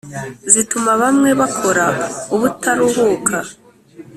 zituma bamwe bakora ubutaruhuka